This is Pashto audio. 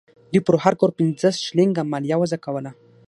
دوی پر هر کور پنځه شلینګه مالیه وضع کوله.